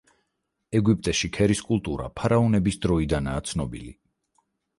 ეგვიპტეში ქერის კულტურა ფარაონების დროიდანაა ცნობილი.